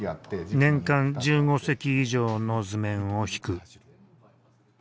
年間１５隻以上の図面をひく。